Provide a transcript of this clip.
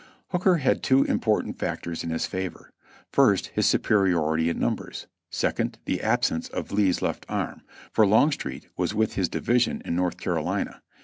Hooker had two important factors in his favor; first, his su periority in numbers; second, the absence of Lee's left arm, for Longstreet was with his division in North Carolina.